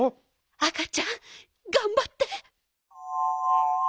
あかちゃんがんばって！